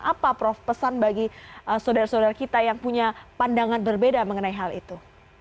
apa prof pesan bagi saudara saudara kita yang punya pandangan berbeda mengenai hal itu